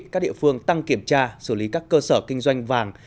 các địa phương tăng kiểm tra xử lý các cơ sở kinh doanh vàng